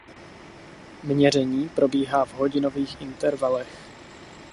Měření probíhá v hodinových intervalech.